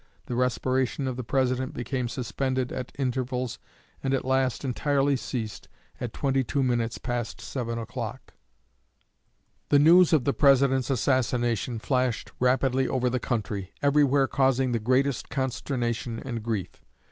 The respiration of the President became suspended at intervals, and at last entirely ceased at twenty two minutes past seven o'clock." The news of the President's assassination flashed rapidly over the country, everywhere causing the greatest consternation and grief.